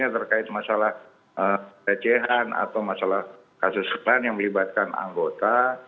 terkait masalah pelecehan atau masalah kasus lain yang melibatkan anggota